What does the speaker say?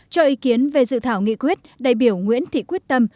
cho ý kiến về dự thảo nghị quyết đại biểu nguyễn thị quyết tâm